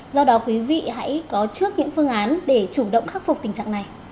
do đó quý vị hãy có trước những phương án để chủ động khắc phục tình trạng này